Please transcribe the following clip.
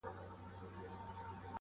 او نور تلونکي خالونه